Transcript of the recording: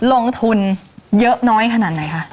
ลงทุนเยอะน้อยขนาดไหนคะ